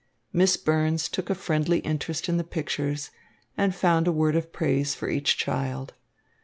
Miss Burns took a friendly interest in the pictures and found a word of praise for each child.